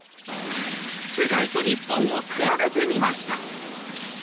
世界と日本を比べてみました。